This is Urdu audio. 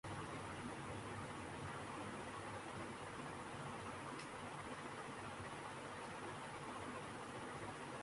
کورونا وائرس کے دوران خدمات سرانجام دینے پر علی ظفر کیلئے شان پاکستان ایوارڈ